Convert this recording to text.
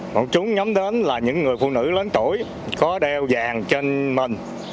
một chúng nhắm đến là những người phụ nữ lớn tuổi có đeo vàng trên mình